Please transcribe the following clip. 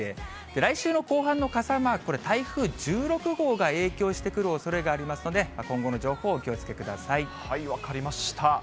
来週の後半の傘マーク、これ台風１６号が影響してくるおそれがありますので、今後の情報、分かりました。